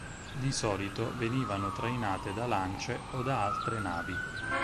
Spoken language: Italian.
Di solito venivano trainate da lance o da altre navi.